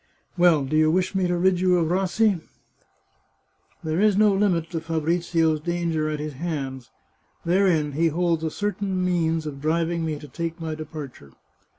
Well, do you wish me to rid you of Rassi ? There is no limit to Fabrizio's danger at his hands. Therein he holds a certain means of driving me to take my depar ture."